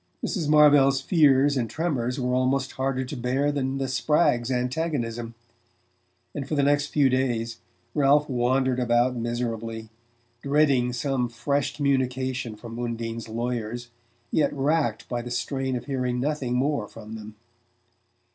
Mrs. Marvell's fears and tremors were almost harder to bear than the Spraggs' antagonism; and for the next few days Ralph wandered about miserably, dreading some fresh communication from Undine's lawyers, yet racked by the strain of hearing nothing more from them.